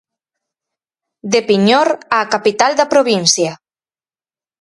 De Piñor á capital da provincia.